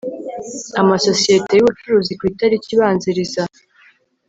amasosiyete y ubucuruzi ku itariki ibanziriza